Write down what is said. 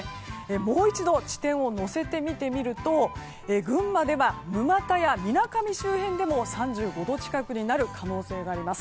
もう一度、地点をのせて見てみると群馬では沼田やみなかみ周辺でも３５度近くになる可能性があります。